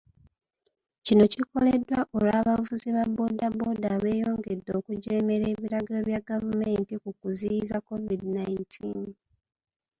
Kino kikoleddwa olw'abavuzi ba boda boda abeeyongedde okujeemera ebiragiro bya gavumenti ku kuziyiza COVID nineteen